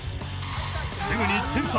すぐに１点差。